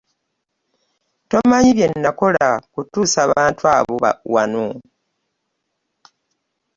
Tomanyi bye nakola kutuusa bantu abo wano.